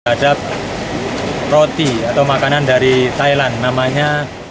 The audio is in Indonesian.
ada roti atau makanan dari thailand namanya